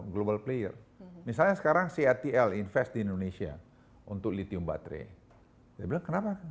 global player misalnya sekarang catl invest di indonesia untuk lithium baterai dia bilang kenapa